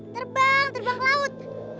terbang terbang ke laut